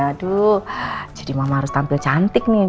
aduh jadi mama harus tampil cantik nih